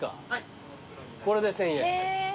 これで１，０００円。